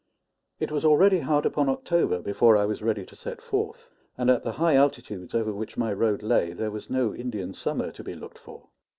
It was already hard upon October before I was ready to set forth, and at the high altitudes over which my road lay there was no Indian summer to be looked for.